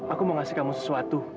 aku mau ngasih kamu sesuatu